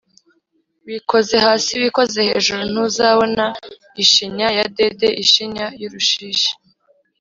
Wikoze hasi wikoze hejuru ntuzabona ishinya ya Dede-Ishinya y'urushishi.